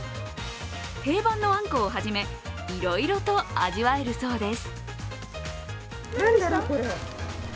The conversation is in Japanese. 定番のあんこをはじめ、いろいろと味わえるそうです。